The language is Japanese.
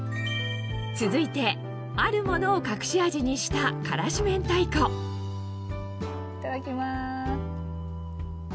続いてあるものを隠し味にしたいただきます。